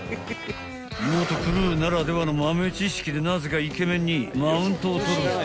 ［元クルーならではの豆知識でなぜかイケメンにマウントを取る２人］